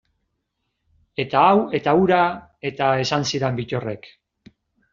Eta hau eta hura, eta esan zidan Bittorrek.